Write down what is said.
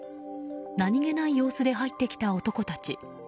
何気ない様子で入ってきた男たち。